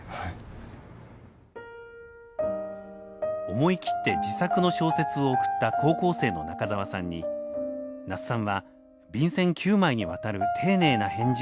思い切って自作の小説を送った高校生の中沢さんに那須さんは便せん９枚にわたる丁寧な返事を送ってくれました。